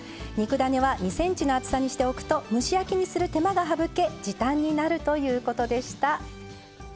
肉だねは２ｃｍの厚さにしておくと蒸し焼きにする手間が省け時短になるということでした。